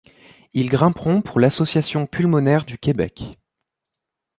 Ils grimperont pour L’Association pulmonaire du Québec.